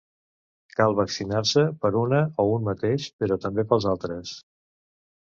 Cal vaccinar-se per una o un mateix, però també pels altres.